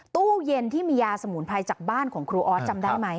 ตู้เย็นที่มียาสมุนไพรจากบ้านของครูออสจำได้ไหม